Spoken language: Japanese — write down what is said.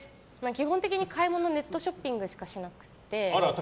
基本的に買い物はネットショッピングしかしなくて。